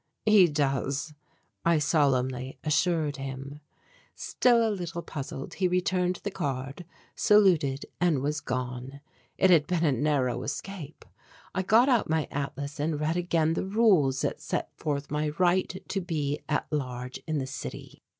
"He does," I solemnly assured him. Still a little puzzled, he returned the card, saluted and was gone. It had been a narrow escape. I got out my atlas and read again the rules that set forth my right to be at large in the city.